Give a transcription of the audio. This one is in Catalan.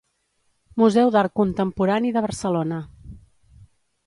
Museu d'Art Contemporani de Barcelona.